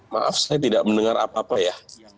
maaf saya tidak mendengar apa apa ya